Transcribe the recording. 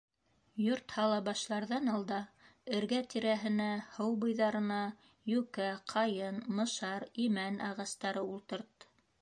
Йорт һала башларҙан алда эргә-тирәһенә, һыу буйҙарына йүкә, ҡайын, мышар, имән ағастары ултырт.